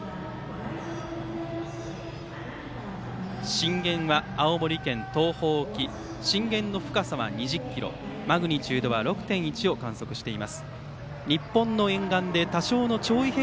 震源は青森県東方沖震源の深さは２０ｋｍマグニチュードは６．１を観測しています。